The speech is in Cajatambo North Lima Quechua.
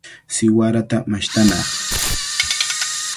Siwarata mashtanaq.